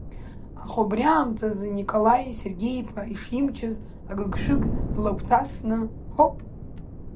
Аха убри аамҭазы, Николаи Сергеи-иԥа ишимчыз агыгшәыг длагәҭасны ҳоп!